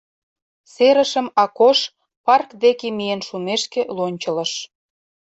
Серышым Акош парк деке миен шумешке лончылыш.